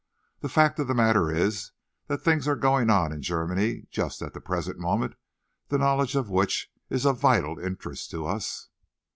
The fact of the matter is that things are going on in Germany, just at the present moment, the knowledge of which is of vital interest to us."